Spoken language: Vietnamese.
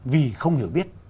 vì không hiểu biết